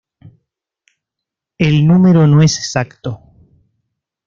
El número no es exacto.